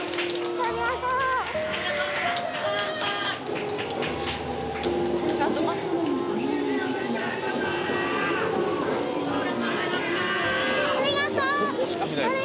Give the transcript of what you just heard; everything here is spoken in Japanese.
ありがとう！